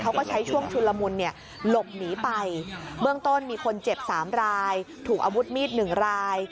เขาก็ใช้ช่วงชุลมุลหลบหนีไปเบื้องต้นมีคนเจ็บ๓รายถูกอาวุธมีด๑ราย